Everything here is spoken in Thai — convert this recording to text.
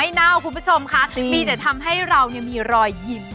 ไอล์โหลดแล้วคุณผู้ชมค่ะมีแต่ทำให้เรามีรอยยิ้ม